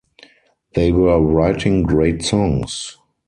They were writing great songs.